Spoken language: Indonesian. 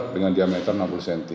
dengan diameter enam puluh cm